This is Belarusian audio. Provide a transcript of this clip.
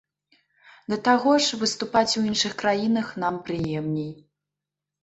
Да таго ж, выступаць у іншых краінах нам прыемней.